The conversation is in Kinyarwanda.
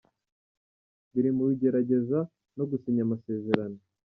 Biri muri igerageza no gusinya amasezerano.